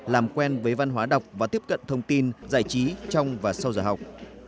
làm quen với văn hóa đọc và tiếp cận thông tin giải trí trong và sau giờ học